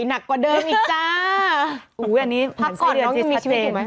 ดีน่ะกินของออร์แกนิคก็สงสารผู้ประกอบการไม่อยากไปซ้ำเติมอะไรแข็งแด๋ว